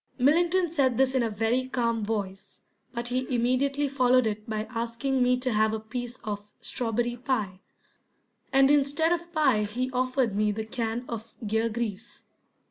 Millington said this in a very calm voice, but he immediately followed it by asking me to have a piece of strawberry pie, and instead of pie he offered me the can of gear grease.